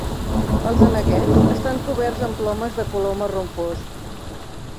Els aneguets estan coberts amb plomes de color marró fosc.